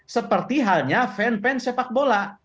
seperti halnya fans fans sepak bola